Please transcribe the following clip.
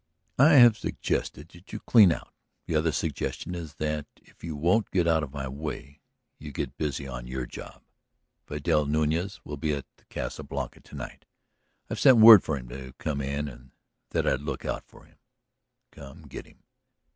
"I have suggested that you clean out; the other suggestion is that, if you won't get out of my way, you get busy on your job. Vidal Nuñez will be at the Casa Blanca to night. I have sent word for him to come in and that I'd look out for him. Come, get him.